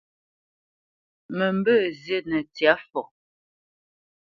Mə mbə̄ zînə ntsyâ fɔ.